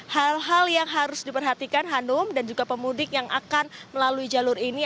hal hal yang harus diperhatikan hanum dan juga pemudik yang akan melalui jalur ini